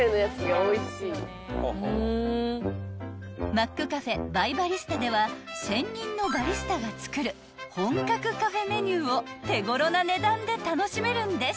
［マックカフェバイバリスタでは専任のバリスタが作る本格カフェメニューを手頃な値段で楽しめるんです］